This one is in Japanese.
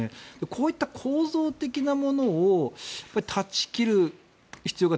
こういった構造的なものを断ち切る必要が。